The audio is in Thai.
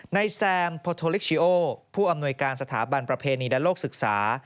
แซมโพโทลิชิโอผู้อำนวยการสถาบันประเพณีและโลกศึกษา